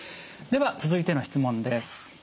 では続いての質問です。